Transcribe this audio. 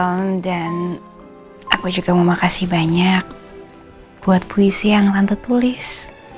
eem dan aku juga mau makasih banyak buat puisi yang tante tulis